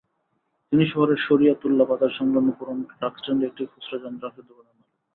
তিনি শহরের শরীয়তুল্লাহ বাজারসংলগ্ন পুরোনো ট্রাক স্ট্যান্ডে একটি খুচরা যন্ত্রাংশের দোকানের মালিক।